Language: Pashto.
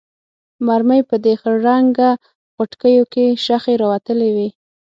مرمۍ په دې خړ رنګه غوټکیو کې شخې راوتلې وې.